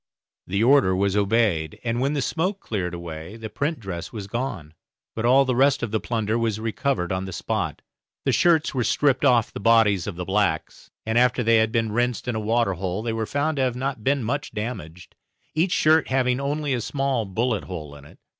The order was obeyed and when the smoke cleared away the print dress was gone, but all the rest of the plunder was recovered on the spot. The shirts were stripped off the bodies of the blacks; and after they had been rinsed in a water hole, they were found to have been not much damaged, each shirt having only a small bullet hole in it.